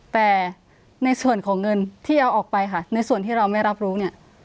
แต่ในส่วนของเงินที่เอาออกไปค่ะในส่วนที่เราไม่รับรู้เนี่ย